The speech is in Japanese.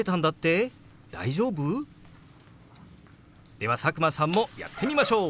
では佐久間さんもやってみましょう！